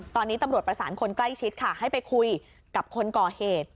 ตอนนี้ตำรวจประสานคนใกล้ชิดค่ะให้ไปคุยกับคนก่อเหตุ